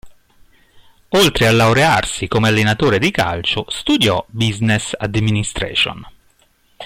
Oltre a laurearsi come allenatore di calcio, studiò Business Administration.